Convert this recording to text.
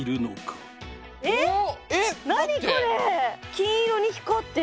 金色に光ってる。